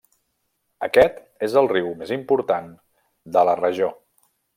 Aquest és el riu més important de la regió.